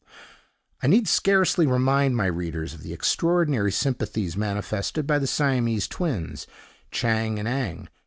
I need scarcely remind my readers of the extraordinary sympathies manifested by the Siamese twins, Chang and Eng.